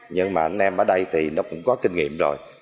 nhưng mà anh em ở đây thì nó cũng có kinh nghiệm rồi